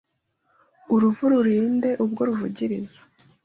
Uruvu rurinde ubwo ruvugiriza